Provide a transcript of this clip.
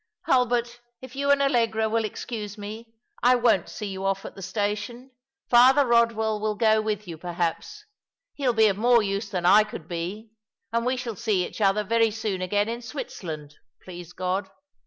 Hulbert, if you and Allegra will excuse me, I won't see you off at the station. Father Eodwell will *^ SOi Ftill Content shall be my Lot^ 291 go with you, perhaps. He'il be of more use than I could be ; and we shall see each other very soon again in Switzerland, please God."